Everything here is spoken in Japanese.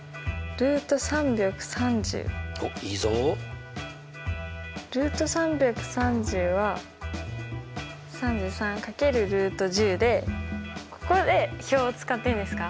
ルート３３０はルート３３×でここで表を使っていいんですか。